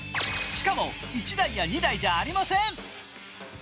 しかも、１台や２台じゃありません。